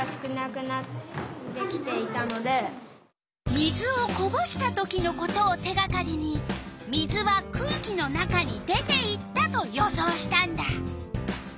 水をこぼした時のことを手がかりに水は空気の中に出ていったと予想したんだ。